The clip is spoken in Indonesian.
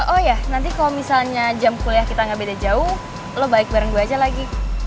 oh ya nanti kalau misalnya jam kuliah kita gak beda jauh lo baik bareng gue aja lagi